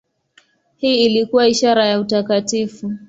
Hii ilikuwa ishara ya utakatifu.